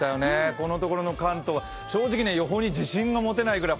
このところの関東は、正直、予報に自信が持てないくらい